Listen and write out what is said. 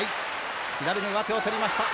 左の上手を取りました。